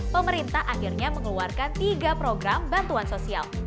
pemerintah akhirnya mengeluarkan tiga program bantuan sosial